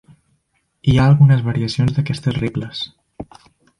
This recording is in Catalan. Hi ha algunes variacions d'aquestes regles.